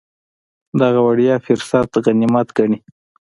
دغه وړیا فرصت غنیمت ګڼي.